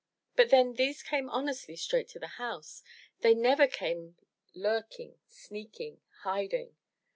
But then, these came honestly straight to the house; they never came lurking, sneaking, hiding.